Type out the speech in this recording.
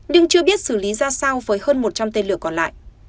nhưng chưa biết xử lý ra sao với hơn một trăm linh tên lửa còn lại